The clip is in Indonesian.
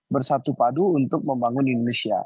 bersatu padu untuk membangun indonesia